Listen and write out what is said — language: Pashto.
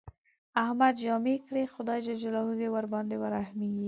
احمد جامې کړې، خدای ج دې ورباندې ورحمېږي.